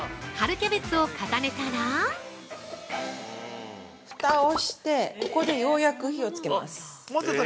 キャベツを重ねたら◆ふたをしてここでようやく火をつけます。